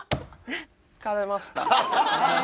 疲れました。